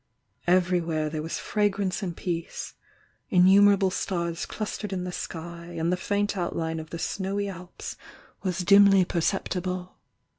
Everywhere there was fragrance and peace— innumerable stars clustered in the sky, and the faint outline of the snowy Alps was dimly perceptible.